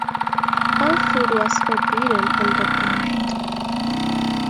All food was forbidden on the diet.